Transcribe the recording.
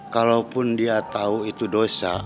kalaupun dia tahu itu dosa